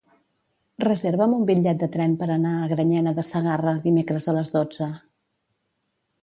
Reserva'm un bitllet de tren per anar a Granyena de Segarra dimecres a les dotze.